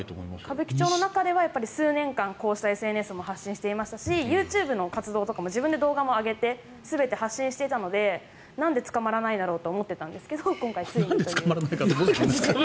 歌舞伎町の中では数年間、こうしたＳＮＳも発信していますしＹｏｕＴｕｂｅの活動も自分で動画を上げて全て発信していたのでなんで捕まらないんだろうと思ってたけどなんで捕まらないのか。